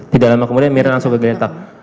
tidak lama kemudian mirna langsung kegeletak